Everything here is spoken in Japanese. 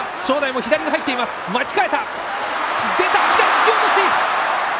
突き落とし。